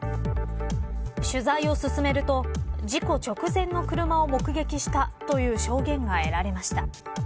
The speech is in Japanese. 取材を進めると事故直前の車を目撃したという証言が得られました。